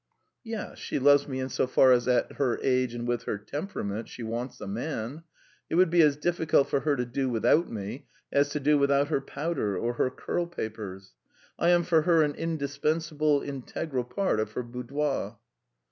"Yes, she loves me in so far as at her age and with her temperament she wants a man. It would be as difficult for her to do without me as to do without her powder or her curl papers. I am for her an indispensable, integral part of her boudoir."